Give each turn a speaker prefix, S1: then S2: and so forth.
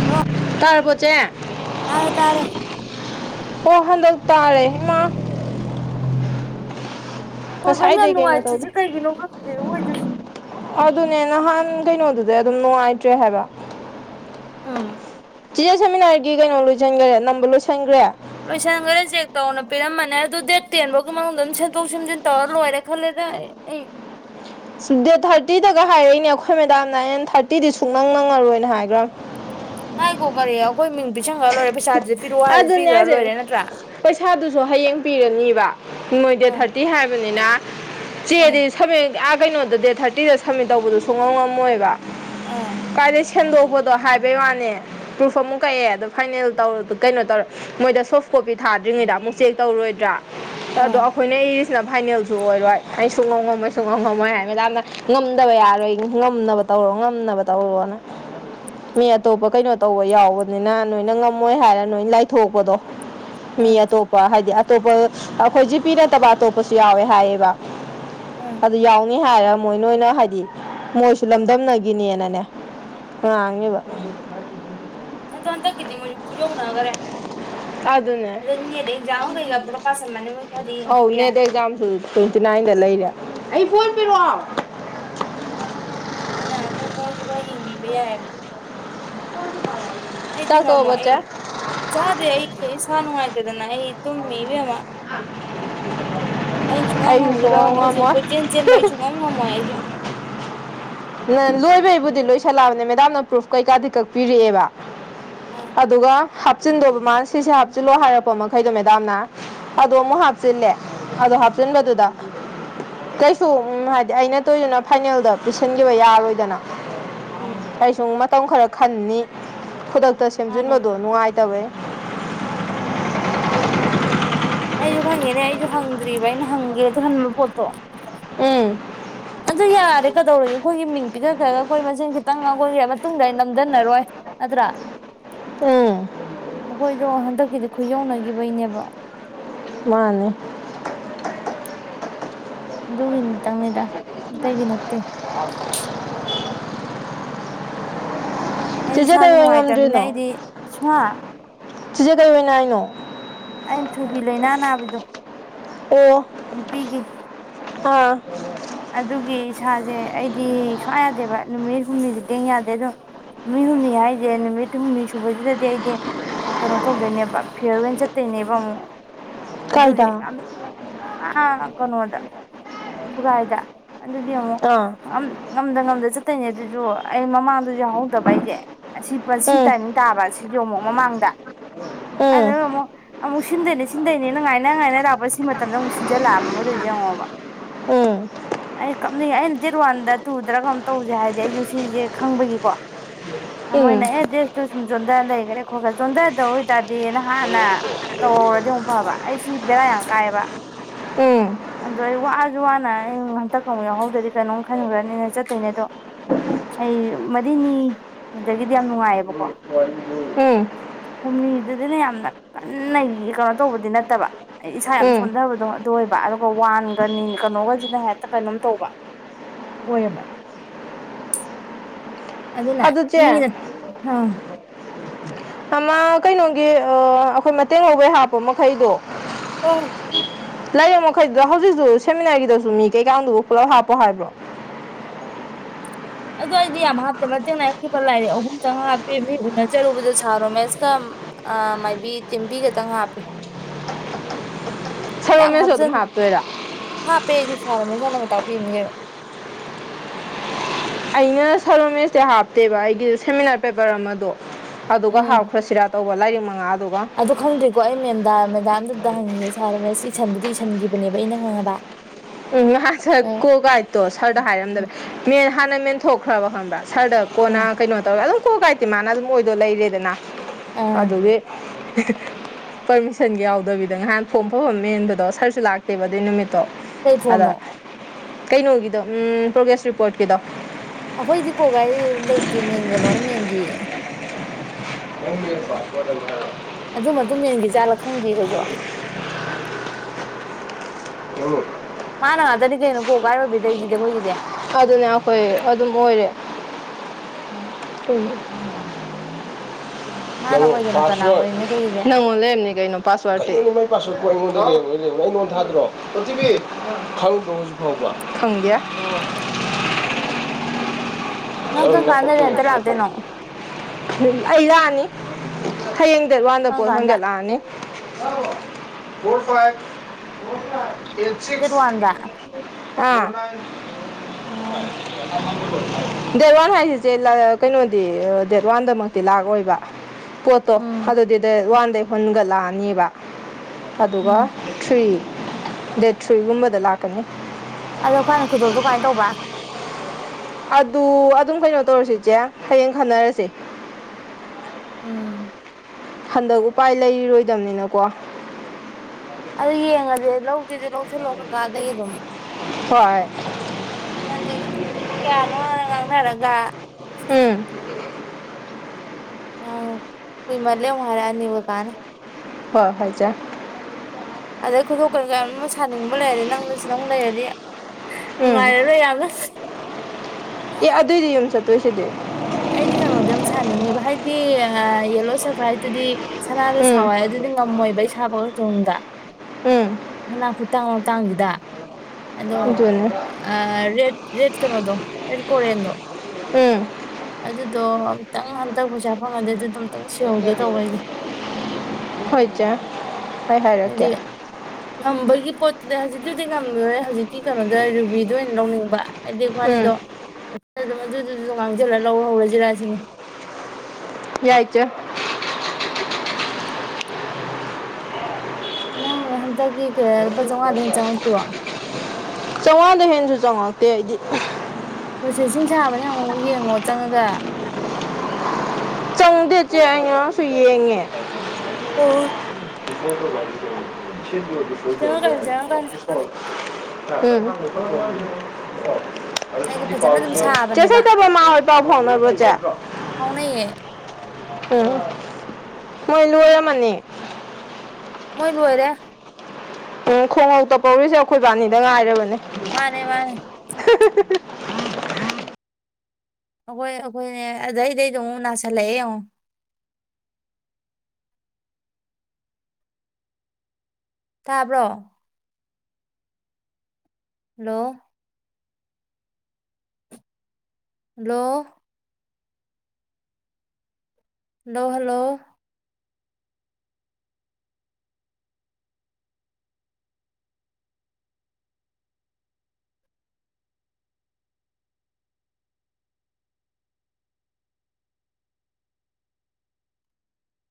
S1: ꯂꫭ
S2: ꯇꯥꯔꯕꫭ ꯆꯦ
S1: ꯇꯥꯔꯦ ꯇꯥꯔꯦ
S2: ꯑꯣ ꯍꯜꯔꫭ ꯇꯥꯔꯦ ꯏꯃꯥ
S1: ꯄ꯭ꯔꯣꯕ꯭ꯂꯦꯝ ꯌꯥꯝ
S2: ꯉꯁꯥꯏꯗꯩ ꯀꯩꯅꯣ ꯇꯧꯗꯦ
S1: ꯅꯨꯡꯉꯥꯏꯇ꯭ꯔꯤꯖꯦ ꯀꯒꯤꯅꯣ ꯈꯪꯗꯔꯦ ꯑꯩꯈꫭꯖꯗꯤ
S2: ꯑꯗꯨꯅꯦ ꯅꯍꯥꯟ ꯀꯩꯅꯣꯗꯨꯗꯤ ꯑꯗꯨꯝ ꯅꯨꯡꯉꯥꯏꯇ꯭ꯔꯦ ꯍꯥꯏꯕ
S1: ꯎꯝ
S2: ꯆꯤꯆꯦ ꯁꯦꯃꯤꯅꯥꯔꯒꯤ ꯀꯩꯅꯣ ꯂꯣꯏꯖꯤꯟꯈꯒ꯭ꫪꯦ ꯅꯝꯕ ꯂꯣꯏꯁꯤꯟꯒ꯭ꫪꯦ
S1: ꯂꯣꯏꯁꯟꯒ꯭ꫪꯦ ꯆꯦꯛ ꯇꯧꯅ ꯄꯤꯔꯝꯕꯅꯦ ꯑꯗꯨ ꯗꯦꯠ ꯇꯦꯟꯕꯥꯎꯒꯤ ꯃꯅꯨꯡꯗ ꯑꯗꯨꯝ ꯁꯦꯝꯗꯣꯛ ꯁꯦꯝꯖꯤꯟ ꯇꯧꯔ ꯂꯣꯏꯔꯦ ꯈꯜꯂꯦꯗ ꯑꯩ ꯑꯩ
S2: ꯗꯦꯠ ꯊꯥꯔꯇꯤꯗꯒ ꯍꯥꯏꯔꯛꯏꯅꯦ ꯑꯩꯈꯣꯏ ꯃꯦꯗꯥꯝꯅ ꯑꯩꯅ ꯊꯥꯔꯇꯤꯗꯤ ꯁꯨꯛꯅꯪ ꯅꯪꯉꯔꯣꯏꯅ ꯍꯥꯏꯒ꯭ꫪꯝꯅꯦ
S1: ꯍꯥꯏꯒꫭ ꯀꯔꯤ ꯑꯩꯈꯣꯏ ꯃꯤꯡ ꯄꯤꯁꯟꯒ꯭ꫪ ꯂꯣꯏꯔꯦ ꯄꯩꯁꯥꯗꯨꯗꯤ ꯄꯤꯔꯛꯑꯣ ꯍꯥꯏꯔꯗꯤ
S2: ꯑꯗꯨꯅꯦ
S1: ꯄꯤꯒ꯭ꫪ
S2: ꯍꯥꯏꯁꯦ
S1: ꯂꯣꯏꯔꯦ ꯅꯠꯇ꯭ꯔꯥ
S2: ꯄꯩꯁꯥꯗꯨꯁꯨ ꯍꯌꯦꯡ ꯄꯤꯔꯅꯤꯕ ꯅꯣꯏ ꯗꯦꯠ
S1: ꯑꯥ
S2: ꯊꯥꯔꯇꯤ ꯍꯥꯏꯕꯅꯤꯅ
S1: ꯑꯥ
S2: ꯆꯦꯗꯤ ꯁꯃꯤ ꯑꯥ ꯀꯩꯅꯣꯗ ꯗꯦꯠ ꯊꯥꯔꯇꯤꯗ ꯁꯃꯤꯠ ꯇꯧꯕꯗ ꯁꯨꯉꯝ ꯉꯝꯃꯣꯏꯕ
S1: ꯑꯥ
S2: ꯀꯥꯏꯗꯩ ꯁꯦꯝꯗꯣꯛꯄꯗꯣ ꯍꯥꯏꯕꯩ ꯋꯥꯅꯦ ꯄ꯭ꯔꯨꯐ ꯑꯃꯨꯛ ꯀꯛꯑꯦ ꯑꯗꯣ ꯐꯥꯏꯅꯦꯜ ꯇꯧꯔ ꯀꯩꯅꯣ ꯇꯧꯔ ꯃꯣꯏꯗ ꯁꯣꯐ ꯀꯣꯄꯤ ꯊꯥꯗ꯭ꯔꯤꯉꯩꯗ ꯑꯃꯨꯛ ꯆꯦꯛ ꯇꯧꯔꯣꯏꯗ꯭ꯔꯥ ꯑꯗꯣ
S1: ꯑꯥ
S2: ꯑꯩꯈꯣꯏꯅ ꯏꯔꯤꯁꯤꯅ ꯐꯥꯏꯅꯦꯜꯁꯨ ꯑꯣꯏꯔꯣꯏ ꯑꯩ ꯁꯨꯉꯝ-ꯉꯝꯃꯣꯏ ꯁꯨꯉꯝ-ꯉꯝꯃꯣꯏ ꯍꯥꯏ ꯃꯦꯗꯥꯝꯅ ꯉꯝꯗꯕ ꯌꯥꯔꯣꯏ ꯉꯝꯅꯕ ꯇꯧꯔꯣ ꯉꯝꯅꯕ ꯇꯧꯔꯣꯅ ꯃꯤ ꯑꯇꯣꯞꯄ ꯀꯩꯅꯣ ꯇꯧꯕ ꯌꯥꯎꯕꯅꯤꯅ ꯅꯣꯏꯅ ꯉꯝꯃꯣꯏ ꯍꯥꯏꯔ ꯅꯣꯏ ꯂꯥꯏꯊꯣꯛꯄꯗꯣ ꯃꯤ
S1: ꯑꯥ
S2: ꯑꯇꯣꯞ ꯀꯡꯄ ꯍꯥꯏꯗꯤ ꯑꯇꯣꯞꯄ ꯑꯩꯈꯣꯏ ꯖꯤꯄꯤ‌ ꯅꯠꯇꯕꯥ ꯑꯇꯣꯞꯄꯁꯨ ꯌꯥꯎꯋꯦ ꯍꯥꯏꯌꯦꯕ
S1: ꯎꯝ
S2: ꯑꯗꯨ ꯌꯥꯎꯅꯤ ꯍꯥꯏꯔꯒ ꯃꯣꯏ ꯅꯣꯏꯅ ꯍꯥꯏꯗꯤ ꯃꯣꯏꯁꯨ ꯂꯝꯗꯝꯅꯒꯤꯅꯦꯅꯅꯦ [inaudible]
S1: ꯅꯪ ꯊꯟꯗꯛ ꯀꯗꯤ ꯃꯣꯏꯁꯨ ꯈꯨꯖꯧꯅ ꯈꯔꯦ
S2: ꯑꯗꯨ ꯑꯗꯨꯅꯦ
S1: ꯑꯗꯨꯗꯅꯤꯗ ꯌꯥꯥꯉ ꯀꯩ ꯀ ꯄꯁꯟ ꯃꯅꯤ
S2: ꯑꯧ ꯅꯦꯠ ꯑꯦꯛꯖꯥꯝꯁꯨ ꯇ꯭ꯋꯦꯟꯇꯤ ꯅꯥꯏꯟꯗ ꯂꯩꯔꯦ ꯑꯩ ꯐꯣꯟ ꯄꯤꯔꯛꯑꯣ
S1: ꯑꯗꯨꯅ ꯑꯩꯈꯣꯏ ꯃꯣꯏꯁꯨ ꯈꯔ ꯌꯦꯡꯕꯤꯕ ꯌꯥꯏꯑꯕ ꯑꯩꯗꯤ ꯉꯝꯃꯣ
S2: ꯆꯥꯛꯇꯣꯛꯑꯕꯣ ꯆꯦ
S1: ꯑꯩ ꯆꯥꯗꯦ ꯑꯩꯁꯦ ꯏꯁꯥ ꯅꯨꯡꯉꯥꯏꯇꯦꯗꯅ ꯑꯩ ꯇꯨꯝꯃꯤ ꯏꯕꯦꯝꯃ
S2: ꯑ
S1: ꯑꯩ ꯁꯨꯡꯉꯝ ꯉꯝꯒꯤꯏꯔꯣ ꯍꯧꯖꯤꯛ ꯀꯣꯏ ꯆꯦꯟ ꯆꯦꯟꯕ ꯑꯩ ꯁꯨꯡ ꯉꯝ ꯉꯝꯃꯣꯏ ꯑꯩꯁꯨ
S2: ꯅ ꯂꯣꯏꯕꯩꯕꯨꯗꯤ ꯂꯣꯏꯁꯜꯂꯛꯑꯕꯅꯦ ꯃꯦꯗꯥꯝꯅ ꯄ꯭ꯔꯨꯐ ꯀꯩꯀꯥꯗꯤ ꯀꯛꯄꯤꯔꯛꯑꯦꯕ
S1: ꯑꯦ
S2: ꯑꯗꯨꯒ ꯍꯥꯞꯆꯤꯟꯗꯣꯕ ꯃꯥ ꯁꯤꯁꯦ ꯍꯥꯞꯆꯤꯜꯂꯣ ꯍꯥꯏꯔꯛꯄ ꯃꯈꯩꯗꯣ ꯃꯦꯗꯥꯝꯅ ꯑꯗꯨ ꯑꯃꯨꯛ ꯍꯥꯞꯆꯤꯜꯂꯦ ꯑꯗꯨ ꯍꯥꯞꯆꯤꯟꯕꯗꯨꯗ ꯀꯩꯁꯨ ꯎ ꯍꯥꯏꯗꯤ ꯑꯩꯅ ꯇꯣꯏꯗꯅ ꯐꯥꯏꯅꯦꯜꯗ ꯄꯤꯁꯤꯟꯈꯤꯕ ꯌꯥꯔꯣꯏꯗꯅ
S1: ꯎꯝ
S2: ꯑꯩꯁꯨ ꯃꯇꯝ ꯈꯔ ꯈꯟꯅꯤ ꯈꯨꯗꯛꯇ
S1: ꯃꯥꯅꯦ
S2: ꯁꯦꯝꯖꯤꯟꯕꯗꯣ ꯅꯨꯡꯉꯥꯏꯇꯕꯩ
S1: ꯑꯩꯁꯨ ꯈꯪꯉꯦꯅꯦ ꯑꯩꯁꯨ ꯍꯪꯗ꯭ꯔꯤꯕ ꯑꯩꯅ ꯍꯪꯒꯦꯗ ꯍꯟꯕ ꯄꯣꯠꯇꯣ
S2: ꯎꯝ
S1: ꯑꯗꯨ ꯌꯥꯔꯦ ꯀꯩꯗꯧꯔꯒꯦ ꯑꯩꯈꯣꯏꯒꯤ ꯃꯤꯡ ꯄꯤꯈꯛꯈ꯭ꯔꯒ ꯑꯩꯈꯣꯏ ꯃꯆꯦꯟ ꯈꯤꯇꯪ ꯑꯩꯈꯣꯏꯒꯤ ꯃꯇꯨꯡꯗ ꯑꯩ ꯅꯝꯊꯟꯅꯔꯣꯏ ꯑꯗꯨ꯭ꯔꯥ
S2: ꯎꯝ
S1: ꯑꯩꯈꯣꯏꯗꯣ ꯍꯟꯗꯛꯀꯤꯗꯤ ꯈꯨ ꯌꯧꯅꯈꯤꯕꯒꯤꯅꯦꯕ
S2: ꯃꯥꯅꯦ
S1: ꯑꯗꯨꯒꯤꯅꯤꯇꯪꯅꯤꯗ ꯑꯇꯩꯒꯤ ꯅꯠꯇꯦ ꯑꯩꯁꯨ
S2: ꯆꯦꯆꯦ ꯀꯩ
S1: ꯏꯁꯥꯁꯨ
S2: ꯑꯣꯏ
S1: ꯅꯨꯡꯉꯥꯏꯇꯕꯅꯤꯅ ꯑꯩꯗꯤ ꯁꯨꯃꯥ
S2: ꯁꯤꯁꯦ ꯀꯩ ꯑꯣꯏꯅ ꯍꯥꯏꯅꯣ
S1: ꯑꯩꯅ ꯊꯣꯏꯕꯤ ꯂꯣꯏꯅꯥ ꯅꯥꯕꯗꯣ
S2: ꯑꯣ
S1: ꯅꯨꯄꯤꯒꯤ
S2: ꯑꯥ
S1: ꯑꯗꯨꯒꯤ ꯏꯁꯥꯁꯦ ꯑꯩꯗꯤ ꯁꯨꯡꯌꯥ ꯌꯥꯗꯦꯕ ꯅꯨꯃꯤꯠ ꯍꯨꯝꯅꯤꯁꯨ ꯇꯦꯡ ꯌꯥꯗꯦ ꯑꯗꯣ ꯅꯨꯃꯤꯠ ꯍꯨꯝꯅꯤ ꯍꯥꯏꯁꯦ ꯅꯨꯃꯤꯠ ꯍꯨꯝꯅꯤ ꯁꯨꯕꯁꯤꯗꯗꯤ ꯑꯩꯗꯤ ꯀꯩꯅꯣ ꯇꯧꯗꯣꯏꯅꯦꯕ ꯐꯤꯌꯔ ꯋꯦꯜ ꯆꯠꯇꯣꯏꯅꯦꯕ ꯑꯃꯨꯛ ꯑꯗꯨꯒꯤ
S2: ꯀꯥꯏꯗ
S1: ꯑ ꯀꯩꯅꯣꯗ ꯈꯨꯔꯥꯏꯗ ꯑꯗꯨꯗꯤ ꯑꯃꯨꯛ
S2: ꯑꯥ
S1: ꯉꯝꯗ ꯉꯝꯗ ꯆꯠꯇꯣꯏꯅꯦ ꯑꯗꯨꯁꯨ ꯑꯩ ꯃꯃꯥꯡꯗꯁꯨ ꯌꯥꯎꯍꯧꯗꯕ ꯑꯩꯁꯦ ꯑꯁꯤ ꯁꯤ
S2: ꯎꯝ
S1: ꯇꯥꯏꯃꯤꯡ ꯇꯥꯕ ꯁꯤꯁꯨ ꯑꯃꯨꯛ ꯃꯃꯥꯡꯗ
S2: ꯎꯝ
S1: ꯑꯗꯨꯒ
S2: ꯎꯝ
S1: ꯑꯃꯨꯛ ꯑꯃꯨꯛ ꯁꯤꯟꯗꯩꯅꯤ ꯁꯤꯟꯗꯩꯅꯤ ꯅ ꯉꯥꯏꯅ ꯉꯥꯏꯅ ꯂꯥꯛꯄ ꯁꯤ ꯃꯇꯝꯗ ꯑꯃꯨꯛ ꯁꯤꯟꯖꯜꯂꯛꯑꯕ ꯃꯣꯏꯗꯗꯤ ꯌꯦꯡꯉꯣꯕ
S2: ꯎꯝ
S1: ꯑꯩ ꯀꯞꯅꯤꯡꯉ ꯑꯩꯅ ꯗꯦꯠ ꯋꯥꯟꯗ ꯇꯨꯗ꯭ꯔ ꯀꯩꯅꯝ ꯇꯧꯁꯦ ꯍꯥꯏꯗꯤ ꯑꯩꯁꯨ ꯁꯤꯁꯦ ꯈꯪꯕꯒꯤꯀꯣ
S2: ꯎꯝ
S1: ꯃꯣꯏꯅ ꯑꯦ ꯗꯦꯁꯇꯨ ꯁꯨꯝ ꯆꯣꯟꯊ ꯂꯩꯈꯔꯦ ꯈꯣꯠꯈ꯭ꯔꯦ ꯆꯣꯟꯊꯗꯧ ꯑꯣꯏꯇꯥꯔꯗꯤ ꯅꯍꯥꯟꯅ ꯇꯧꯍꯧꯔꯗꯤ ꯑꯃꯨꯛ ꯐꯕ ꯑꯩꯁꯤ ꯕꯦꯔꯥ ꯌꯥꯝ ꯀꯥꯏꯌꯦꯕ
S2: ꯑꯝ
S1: ꯑꯗ ꯋꯥꯖ ꯋꯥꯅ ꯑꯩ ꯍꯟꯇꯛꯇꯀ ꯑꯃꯨꯛ ꯌꯥꯎꯍꯧꯗ꯭ꯔꯗꯤ ꯀꯩꯅꯣꯝꯪ ꯈꯟꯈ꯭ꯔꯅꯤꯅ ꯆꯠꯇꯣꯏꯅꯦꯗꯣ ꯑꯩ ꯃꯔꯤꯅꯤ ꯑꯗꯨꯗꯒꯤꯗꯤ ꯌꯥꯝ ꯅꯨꯡꯉꯥꯏꯑꯕꯀꯣ
S2: ꯍꯟꯖ ꯎꯝ
S1: ꯍꯨꯝꯅꯤꯗꯨꯗꯅꯦ ꯌꯥꯝꯅ ꯀꯟꯅ ꯀꯩꯅꯣ ꯇꯧꯕꯗꯤ ꯅꯠꯇꯕ ꯑꯩ ꯏꯁꯥ ꯌꯥꯝ
S2: ꯎꯝ
S1: ꯁꯣꯟꯊꯕꯗꯣ ꯑꯗꯨ ꯑꯣꯏꯕ ꯑꯗꯨꯒ ꯋꯥꯟꯒꯅꯤ ꯀꯩꯅꯣꯒ ꯍꯦꯛꯇ ꯀꯩꯅꯣꯝ ꯇꯧꯕ ꯑꯣꯏꯌꯦꯕ ꯑꯗꯨꯅ
S2: ꯑꯗꯨ ꯆꯦ
S1: ꯃꯤꯅ ꯑ
S2: ꯃ ꯀꯩꯅꯣꯒꯤ ꯑꯩꯈꯣꯏ ꯃꯇꯦꯡ ꯍꯧꯕꯩ ꯍꯥꯞꯄ ꯃꯈꯩꯗꯣ
S1: ꯑꯣ
S2: ꯂꯥꯏꯌꯦ ꯃꯈꯩꯗꯨꯗ ꯍꯧꯖꯤꯛꯁꯨ ꯁꯦꯃꯤꯅꯥꯔꯒꯤꯗꯁꯨ ꯃꯤ ꯀꯩꯀꯥꯗꯨꯕꯨ ꯄꯨꯂꯞ ꯍꯥꯞꯄꯣ ꯍꯥꯏꯕ꯭ꯔꯣ
S1: ꯑꯗꯣ ꯑꯩꯗꯤ ꯌꯥꯝ ꯍꯥꯞꯇꯦ ꯃꯇꯦꯡ ꯈꯤꯕ ꯂꯥꯏꯔꯤꯛ ꯑꯍꯨꯝ ꯆꯪ ꯍꯥꯞꯄꯤ ꯃꯤ ꯎꯅꯖꯔꯨꯕꯗ ꯁꯥ ꯔꯣꯃꯦꯁꯀ ꯑ ꯃꯥꯏꯕꯤ ꯇꯤꯕꯤ ꯈꯇꯪ ꯍꯥꯞꯄꯤꯦ ꯌꯥꯝ
S2: ꯁꯔꯣꯃꯦꯁꯁꯨ ꯑꯗꯨꯝ
S1: ꯍꯥꯞꯆꯤꯟ
S2: ꯍꯥꯞꯇꯣꯏꯔꯥ
S1: ꯍꯥꯞꯄꯦꯔꯗꯤ ꯁꯥꯔꯃꯁꯅ ꯇꯥꯛ ꯄꯤꯝꯅꯤ ꯀꯩꯅꯣ
S2: ꯑꯩꯅ ꯁꯔꯣꯃꯦꯁꯇꯤ ꯍꯥꯞꯇꯦꯕ ꯑꯩꯒꯤ ꯁꯦꯃꯤꯅꯥꯔ ꯄꯦꯄꯔ ꯑꯃꯗꯣ ꯑꯗꯨꯒ ꯍꯥꯞꯈ꯭ꯔꯁꯤꯔꯥ ꯇꯧꯕ ꯂꯥꯔꯤꯛ ꯃꯉꯥ ꯑꯗꯨꯒ
S1: ꯑꯗꯨ ꯈꯪꯗ꯭ꯔꯤꯀꯣ ꯑꯩ ꯃꯦꯟꯗꯥ ꯃꯦꯗꯥꯝꯗꯨ ꯑꯝꯍꯪꯒꯤꯒꯦ ꯁꯥꯔ ꯔꯥꯃꯦꯁ ꯏꯁꯟꯕꯨꯗꯤ ꯏꯟꯈꯤꯕꯅꯦꯕ ꯑꯩꯅ ꯈꯪꯉꯕ
S2: [inaudible] ꯎꯝ ꯉꯍꯥꯟ ꯁꯔ
S1: ꯑ
S2: ꯀꯣ ꯒꯥꯏꯗꯠꯇꯣ ꯁꯥꯔꯗ ꯍꯥꯏꯔꯝꯗꯕ
S1: ꯎꯝ
S2: ꯃ ꯍꯥꯟꯅ ꯃꯦꯟꯊꯣꯛꯈ꯭ꯔꯕ ꯈꯪꯕ꯭ꯔꯥ ꯁꯔꯗ ꯀꯣꯟꯅ
S1: ꯎꯝ
S2: ꯀꯩꯅꯣ ꯇꯧꯔꯦ ꯑꯗꯨꯝ ꯀꯣ ꯒꯥꯏꯗꯠꯇꯤ ꯃꯥꯅ ꯑꯗꯨꯝ ꯑꯣꯏꯗꯣ ꯂꯩꯔꯦꯗꯅ
S1: ꯑ
S2: ꯑꯗꯨꯗꯤ ꯄꯔꯃꯤꯁꯟꯒꯤ ꯌꯥꯎꯗꯕꯤꯗ ꯉꯍꯥꯟ ꯐꯣꯝ ꯐꯐꯝ ꯃꯦꯟꯕꯗꯣ ꯁꯔꯁꯨ ꯂꯥꯛꯇꯦꯕ ꯑꯗꯨꯩ ꯅꯨꯃꯤꯠꯇꯣ
S1: ꯀꯩ ꯐꯣꯝꯅꯣ
S2: ꯑꯗ ꯀꯩꯅꯣꯒꯤꯗꯣ ꯎꯝ ꯄ꯭ꯔꯣꯒ꯭ꯔꯦꯁ ꯔꯤꯄꯣꯔꯠꯀꯤꯗꯣ
S1: ꯑꯩꯈꯣꯏꯗꯤ ꯀꯣ ꯒꯥꫪꯤ ꯂꯩꯇꯦ ꯃꯦꯟ ꯒꯅꯣꯅ ꯃꯦꯟꯒꯤꯌꯦ
S2: ꯅꯪꯒꯤ ꯄꯥꯁꯄꯣꯠ ꯑꯝ ꯍꯥꯏꯔꯛꯑꯣ
S1: ꯑꯗꯨꯝ ꯑꯗꯨꯝ ꯃꯦꯟꯒꯤ ꯖꯥꯠꯂꯥ ꯈꯪꯗꯦꯈꯣꯏꯁꯨ꯫
S2: ꯎ
S1: ꯃꯥꯅ ꯇꯅꯤ ꯀꯦꯩꯅ ꯀꯣ ꯀꯥꯏꯕꯗꯩꯗꯦ ꯍꯣꯒꯗꯦ
S2: ꯑꯗꯨꯅꯦ ꯑꯩꯈꯣꯏ ꯑꯗꯨꯝ ꯑꯣꯏꯔꯦ
S1: ꯎꯝ
S2: ꯎꯝ
S1: ꯃꯥꯅ ꯑꯣꯏꯗꯅ ꯀꯅꯥ ꯑꯣꯏꯔꯤꯅꯤ ꯑꯩꯈꯣꯏꯒꯤꯗꯤ
S2: ꯅ ꯃꯣꯂꯅꯤ ꯀ ꯄꯥꯁꯋꯥꯔꯗꯇꯣ [unintelligible] ꯄꯥꯁꯋꯥꯔꯗꯄꯨ ꯑꯩꯉꯣꯟꯗ [unintelligible] ꯑꯩꯉꯣꯟꯗ ꯊꯥꯗ꯭ꯔꯣ [unintelligible] ꯈꯪꯗ꯭ꯔꯣ ꯍꯕꯣ ꯈꯪꯒꯦ ꯑ
S1: ꯅꯪ ꯀꯔꯝ ꯀꯥꯟꯗ ꯔꯦꯟꯇ ꯂꯥꯛꯇꯣꯏꯅꯣ
S2: ꯑꯩ ꯂꯥꯛꯑꯅꯤ ꯍꯌꯦꯡ ꯆꯠ ꯋꯥꯟꯗ
S1: ꯀꯔꯝ
S2: ꯄꯣꯠ
S1: ꯀꯥꯟꯗ
S2: ꯍꯣꯟꯒꯠꯂꯛꯑꯅꯤ four five eight
S1: that
S2: six
S1: ꯋꯥꯟꯗ
S2: ꯑꯥ
S1: ꯎꯝ
S2: ꯗꯦꯠ ꯋꯥꯟ ꯍꯥꯏꯁꯤꯁꯦ ꯂꯛ ꯀꯩꯅꯣꯗꯤ ꯗꯦꯠ ꯋꯥꯟꯗꯃꯛꯇꯤ ꯂꯥꯛꯑꯣꯏꯕ꯫ ꯄꯣꯠꯇꯣ
S1: ꯎꯝ
S2: ꯑꯗꯨꯗꯤ ꯗꯦꯠ ꯋꯥꯟꯗꯩ ꯍꯨꯟꯒꯠꯂꯛꯑꯅꯤꯕ
S1: ꯎꯝ
S2: ꯑꯗꯨꯒ ꯊ꯭ꯔꯤ ꯗꯦꯠ ꯊ꯭ꯔꯤꯒꯨꯝꯕꯗ ꯂꯥꯛꯀꯅꯤ꯫
S1: ꯑꯗꯣꯈꯣꯏꯅ ꯈꯨꯗꯣꯞꯣ ꯀꯃꯥꯏꯅ ꯇꯧꯕ
S2: ꯑꯗꯨ ꯑꯗꯨꯝ ꯀꯩꯅꯣ ꯇꯧꯔꯁꯤ ꯏꯆꯦ ꯍꯌꯦꯡ ꯈꯟꯅꯔꯁꯦ
S1: ꯎꯝ
S2: ꯍꯟꯗꯛ ꯎꯄꯥꯏ ꯂꯩꯔꯣꯏꯗꯕꯅꯤꯅꯀꯣ
S1: ꯑꯗꯨ ꯌꯦꯡꯉꯁꯦ ꯂꯧꯒꯦꯁꯨ ꯂꯧꯁꯤꯜꯂꯣ ꯀꯀꯥꯗꯩ ꯑꯗꯨꯝ꯫
S2: ꯍꯣꯏ꯫
S1: ꯍꯥꯏꯗꯤ ꯀꯌꯥꯅꯣꯅ ꯉꯥꯡꯅꯔꯒ
S2: ꯎꯝ
S1: ꯑ ꯀꯨꯏꯃꯜꯂꯦ ꯍꯥꯏꯔꯛꯑꯅꯤꯕ ꯀꯥꯟꯅ
S2: ꯍꯣꯏ ꯍꯣꯏ ꯆ
S1: ꯑꯗꯩ ꯈꯨꯗꯣ ꯀ ꯀꯌꯥ ꯑꯃ ꯁꯥꯅꯤꯡꯕ ꯂꯩꯔꯗꯤ ꯅꯪꯅ ꯁꯤꯗꯪ ꯂꯩꯔꯗꯤ
S2: ꯎꯝ
S1: ꯅꯨꯡꯉꯥꯏꯔꯔꯣꯏ ꯌꯥꯒ
S2: ꯑꯦ ꯑꯗꯨꯏꯗꯤ ꯌꯨꯝ ꯆꯠꯇꯣꯏꯁꯤꯗꯤ꯫
S1: ꯑꯩꯗꯤ ꯀꯩꯅꯣꯗꯤ ꯑꯗꯨꯝ ꯁꯥꯅꯤꯡꯉꯦꯕ ꯍꯥꯏꯗꯤ ꯌꯦꯂꯣ ꯁꯐ꯭ꯔꯥꯏꯠꯇꯨꯗꯤ ꯁꯅꯥꯗ
S2: ꯎꯝ
S1: ꯁꯥꯎꯋꯦ ꯑꯗꯨ ꯅꯪ ꯉꯝꯃꯣꯏꯕ ꯑꯩ ꯁꯥꯕ ꯑꯣꯏꯔꯖꯣꯡꯗ
S2: ꯎꯝ
S1: ꯍꯅꯥ ꯈꯨꯇꯥꯡ ꯂꯛꯇꯥꯡꯁꯤꯗ ꯑꯗꯣ
S2: ꯑꯗꯨꯅꯤ
S1: ꯑꯥ ꯔꯦꯠ ꯔꯦꯠ ꯀꯩꯅꯣꯗꯣ ꯔꯦꯠ ꯀꯣꯔꯦꯟꯗꯣ꯫
S2: ꯎꯝ꯫
S1: ꯑꯗꯨꯗꯣ ꯑꯝꯇꯪ ꯍꯟꯗꯛ ꯄꯩꯁꯥ ꯐꯪꯉꯟꯗꯤ ꯑꯗꯨꯗꯨꯝꯇꯪ ꯁꯤꯍꯧꯒꯦ ꯇꯧꯕ ꯑꯩꯗꯤ
S2: ꯍꯣꯏ ꯏꯆꯦ ꯑꯩ ꯍꯥꯏꯔꯛꯀꯦ
S1: ꯍꯥꯏꯗꯤ ꯉꯝꯕꯒꯤ ꯄꯣꯠꯇꯨꯗꯤ ꯍꯧꯖꯤꯛꯀꯤꯗꯤ ꯉꯝꯃꯤꯍꯦ ꯍꯧꯖꯤꯛꯀꯤ ꯀꯩꯅꯣꯗ ꯔꯨꯕꯤꯗ ꯑꯣꯏꯅ ꯂꯧꯅꯤꯡꯕ ꯑꯩꯗꯨ
S2: ꯎꯝ
S1: ꯈ꯭ꯋꯥꯅꯤꯗꯣ ꯃꯗꯨꯗꯨꯁꯨ ꯉꯥꯡꯖꯤꯜꯂ ꯂꯧꯍꯧꯔꯁꯤꯔ ꯁꯤꯅꯤ
S2: ꯌꯥꯏꯆ
S1: ꯅꯪ ꯍꯟꯀꯤ ꯀ ꯔꯨꯄꯥ ꯆꯪꯉ ꯑꯗꯨꯦꯟ ꯆꯪꯇꯤ ꯕꯣ
S2: ꯆꯥꯝꯃꯉꯥꯗ ꯍꯦꯟꯟꯅꯁꯨ ꯆꯥꯉꯛꯇꯦ ꯑꯩꯗꯤ
S1: ꯄ꯭ꯔꯣꯁꯦꯁꯤꯡ ꯁꯥꯕꯅꯦ ꯑꯃꯨꯛ ꯌꯦꯡꯉꯣ ꯆꯪꯉꯒ
S2: ꯊꯣꯡꯗꯦ ꯆꯦ ꯑꯩ ꯉꯔꯥꯡꯁꯨ ꯌꯦꯡꯉꯦ
S1: ꯑꯣ
S2: ꯏ [unintelligible]
S1: ꯆꯉꯛꯀꯅꯤ ꯆꯉꯛꯀꯅꯤ
S2: ꯎꯝ
S1: ꯑꯩꯗꯤ ꯐꯖꯅ ꯑꯗꯨꯝ
S2: [unintelligible]
S1: ꯁꯥꯕꯅꯦꯕ
S2: ꯆꯦꯁꯩꯇꯕ꯭ꯔꯣꯃꯥ ꯍꯣꯏ ꯄꯥꯎ ꯐꯥꯎꯅꯕ꯭ꯔꯣꯁꯦ
S1: ꯍꯥꯎꯅꯌꯦ
S2: ꯎ ꯃꯣꯏ ꯂꯣꯏꯔ ꯃꯅꯤ
S1: ꯃꯣꯏꯅ ꯑꯣꯏꯔꯦ
S2: ꯎꯝ ꯈꯣꯡꯎꯞꯇꯣ ꯄꯧꯔꯤꯁꯦ ꯑꯩꯈꯣꯏꯕꯥꯅꯤꯗ ꯉꯥꯏꯔꯕꯅꯦ
S1: ꯃꯥꯅꯦ ꯃꯥꯅꯦ
S2: ꯍ-ꯍ-ꯍ-ꯍ
S1: ꯑꯩꯈꯣꯏ ꯑꯩꯈꯣꯏꯅꯦ ꯑꯗꯩꯗꯩꯗ ꯑꯃꯨꯛ ꯅꯥꯁꯤꯜꯂꯛꯑꯦ ꯌꯦꯡꯉꯣ ꯇꯥꯕ꯭ꯔꯣ ꯍꯜꯂꯣ ꯍꯜꯂꯣ ꯍꯜꯂꯣ ꯍꯜꯂꯣ